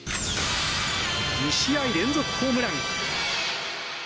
２試合連続ホームラン。